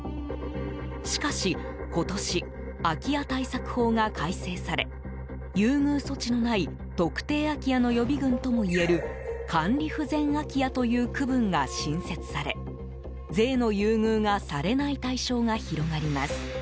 しかし今年空き家対策法が改正され優遇措置のない特定空き家の予備軍ともいえる管理不全空き家という区分が新設され税の優遇がされない対象が広がります。